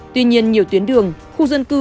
tuy nhiên nhiều tuyến đường khu dân cư